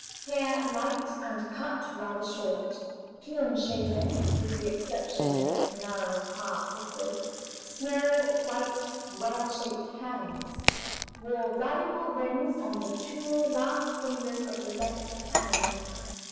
Hair light, and cut rather short. Clean shaven, with the exception of narrow half whiskers. Small, white, well shaped hands. Wore valuable rings on the two last fingers of the left hand.